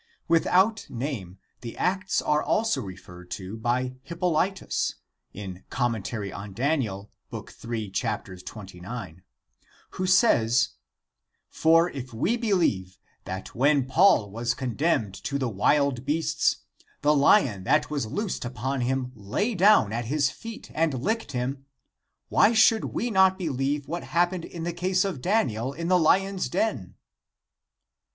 Without name the Acts are also referred to by Hippolytus {Commentary on Daniel, HI, 29, 4 ed. Bonwetsch 176) who says :" for if we believe that when Paul was condemned to the wild beasts, the lion that was loosed upon him lay down at his feet and licked him, why should we not believe what happened in the case of Daniel in the lion's den?"